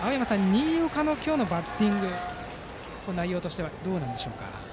新岡の今日のバッティング内容としてはどうなんでしょうか。